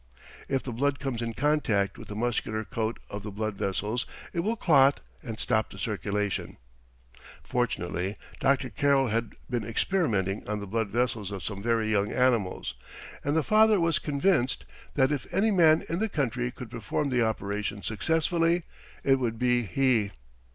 If the blood comes in contact with the muscular coat of the blood vessels, it will clot and stop the circulation. "Fortunately, Dr. Carrel had been experimenting on the blood vessels of some very young animals, and the father was convinced that if any man in the country could perform the operation successfully, it would be he.